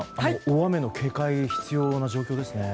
大雨の警戒が必要な状況ですね。